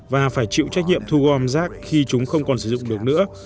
và phải chịu trách nhiệm thu gom rác khi chúng không còn sử dụng được nữa